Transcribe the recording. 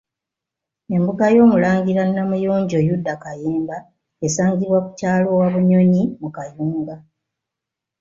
Embuga y'Omulangira Namuyonjo Yuda Kayemba esangibwa ku kyalo Wabunyonyi mu Kayunga.